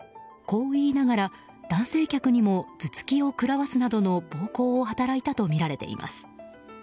こう言いながら、男性客にも頭突きを食らわすなどの暴行を働いたとみられています。